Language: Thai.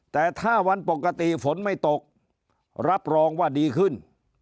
แต่ถ้าวันปกติฝนไม่ตกรับรองว่าดีขึ้น